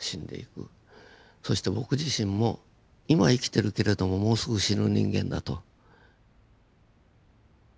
そして僕自身も今生きてるけれどももうすぐ死ぬ人間だと。